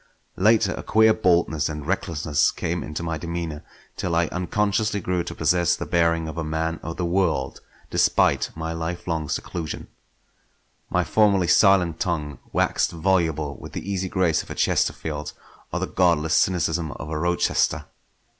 Later a queer boldness and recklessness came into my demeanour, till I unconsciously grew to possess the bearing of a man of the world despite my lifelong seclusion. My formerly silent tongue waxed voluble with the easy grace of a Chesterfield or the godless cynicism of a Rochester.